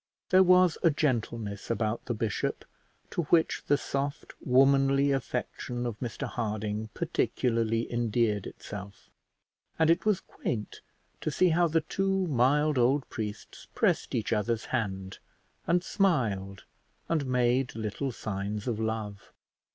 There was a gentleness about the bishop to which the soft womanly affection of Mr Harding particularly endeared itself, and it was quaint to see how the two mild old priests pressed each other's hand, and smiled and made little signs of love.